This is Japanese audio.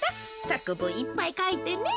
さくぶんいっぱいかいてね。